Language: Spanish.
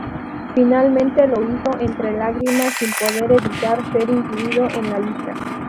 Finalmente lo hizo entre lágrimas, sin poder evitar ser incluido en la lista.